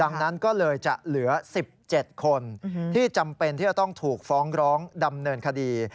ดังนั้นก็เลยจะเหลือ๑๗คนที่จำเป็นที่จะต้องถูกฟ้องร้องดำเนินคดี